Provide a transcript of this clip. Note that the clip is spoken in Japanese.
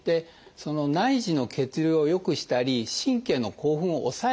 内耳の血流を良くしたり神経の興奮を抑えている。